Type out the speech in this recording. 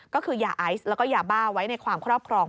ก็คือยาไอซ์แล้วก็ยาบ้าไว้ในความครอบครอง